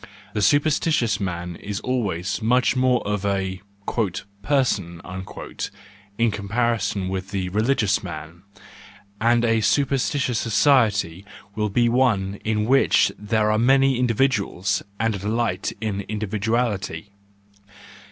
The superstitious man is always much more of a " person," in comparison with the religious man, and a superstitious society will be one in which there are many individuals, and a delight in individuality.